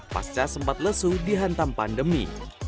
pasca sempat lesu dihantam pandemi